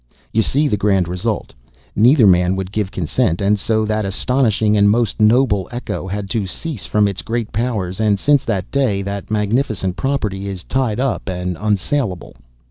You see the grand result! Neither man would give consent, and so that astonishing and most noble echo had to cease from its great powers; and since that day that magnificent property is tied up and unsalable.